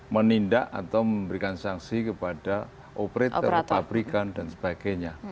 menindak atau memberikan sanksi kepada operator pabrikan dan sebagainya